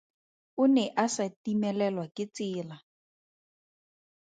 O ne a sa timelelwa ke tsela.